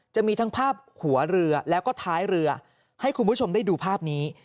จะมีทั้งภาพหัวเรือแล้วก็ท้ายเรือให้คุณผู้ชมได้ดูภาพนี้